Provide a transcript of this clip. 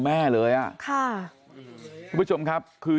แม่เลยอ่ะค่ะทุกผู้ชมครับคือ